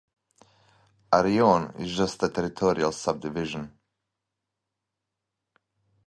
A "rione" is just a territorial subdivision.